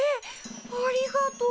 ありがとう。